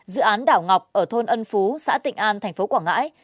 dự án đảo ngọc ở thôn ân phú xã tịnh an thành phố quảng ngãi